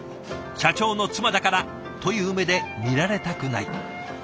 「社長の妻だから」という目で見られたくない。